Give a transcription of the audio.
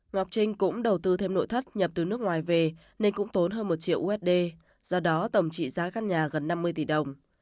ngọc trinh cũng đầu tư thêm nội thất nhập từ nước ngoài về nên cũng tốn hơn một triệu usd do đó tổng trị giá căn nhà gần năm mươi tỷ đồng